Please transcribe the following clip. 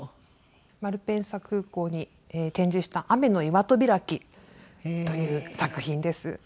マルペンサ空港に展示した『天岩戸開き』という作品です。